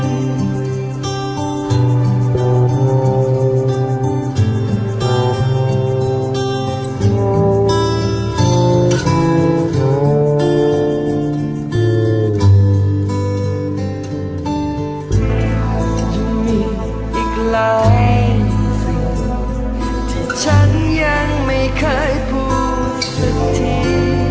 อีกหลายสิ่งที่ฉันยังไม่เคยพูดสักที